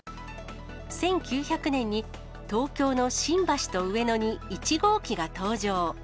１９００年に、東京の新橋と上野に１号機が登場。